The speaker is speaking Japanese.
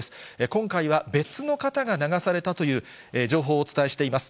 今回は別の方が流されたという情報をお伝えしています。